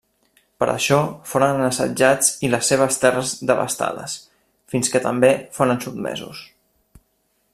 Per això foren assetjats i les seves terres devastades, fins que també foren sotmesos.